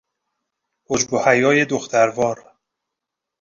حجب و حیای دختروار